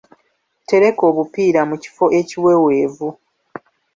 Tereka obupiira mu kifo ekiweweevu.